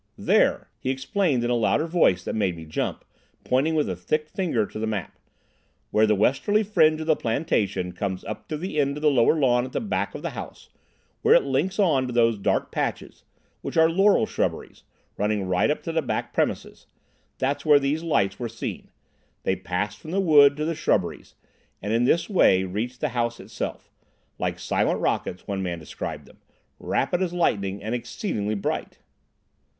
There," he explained, in a louder voice that made me jump, pointing with a thick finger to the map, "where the westerly fringe of the plantation comes up to the end of the lower lawn at the back of the house—where it links on to those dark patches, which are laurel shrubberies, running right up to the back premises—that's where these lights were seen. They passed from the wood to the shrubberies, and in this way reached the house itself. Like silent rockets, one man described them, rapid as lightning and exceedingly bright."